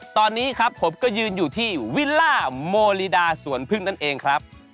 ตอนนี้ครับผมก็ยืนอยู่ที่วิลล่าโมลีดาสวนพึ่งนั่นเองครับ